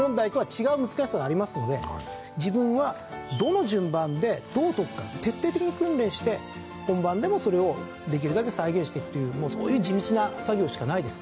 自分はどの順番でどう解くか徹底的に訓練して本番でもそれをできるだけ再現していくというそういう地道な作業しかないです。